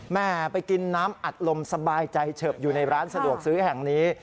แม่ไปกินน้ำอัดลมสบายใจเฉิบอยู่ในร้านสะดวกซื้อแห่งนี้